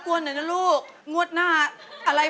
เป็นเรื่องราวของแม่นาคกับพี่ม่าครับ